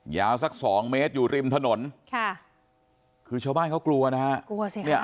ยาวสัก๒เมตรอยู่ริมถนนคือชาวบ้านเขากลัวนะฮะกลัวสิปว่า